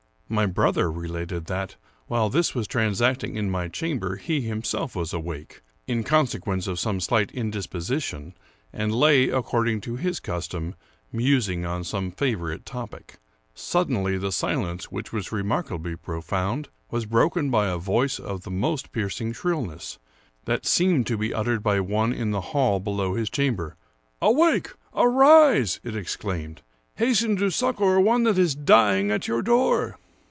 My brother related that, while this was transacting in my chamber, he himself was awake, in consequence of some slight indisposition, and lay, according to his custom, mus ing on some favorite topic. Suddenly the silence, which was remarkably profound, was broken by a voice of most piercing shrillness, that seemed to be uttered by one in the hall below his chamber. "Awake! arise!" it exclaimed; " hasten to succor one that is dying at your door!